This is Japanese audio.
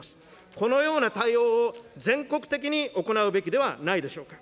このような対応を全国的に行うべきではないでしょうか。